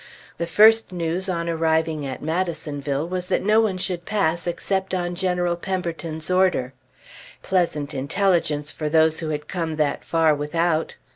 The first news on arriving at Madisonville was that no one should pass except on General Pemberton's order. Pleasant intelligence for those who had come that far without!